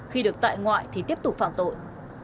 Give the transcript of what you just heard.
khi được tại ngoại thì tiếp tục phạm tội